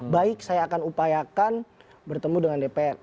baik saya akan upayakan bertemu dengan dpr